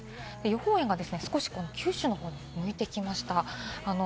予報円が少し九州の方を向いてきました。